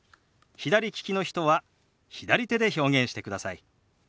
左利きの人は左手で表現してください。